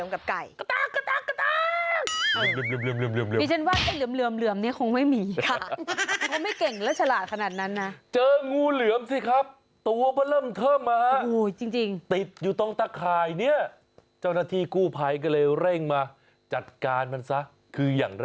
ค่ะจนบ้างวานได้ยินเสียงไก่มาล้อง